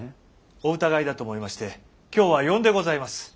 お疑いだと思いまして今日は呼んでございます。